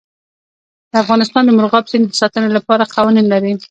افغانستان د مورغاب سیند د ساتنې لپاره قوانین لري.